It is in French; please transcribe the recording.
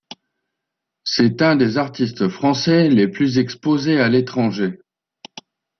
C'est un des artistes français les plus exposés à l'étranger.